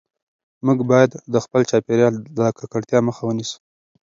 موږ باید د خپل چاپیریال د ککړتیا مخه ونیسو.